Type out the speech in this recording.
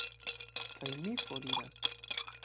Kaj mi foriras.